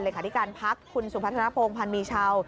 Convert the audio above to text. ที่การพักคุณสุพัฒนภงพันธ์มีชาว